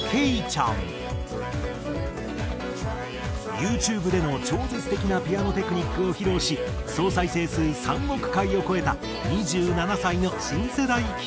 ユーチューブでの超絶的なピアノテクニックを披露し総再生数３億回を超えた２７歳の新世代キーボーディスト。